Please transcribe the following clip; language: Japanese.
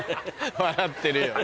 笑ってるよ。